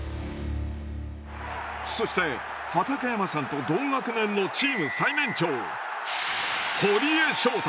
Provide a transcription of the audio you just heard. そして畠山さんと同学年のチーム最年長堀江翔太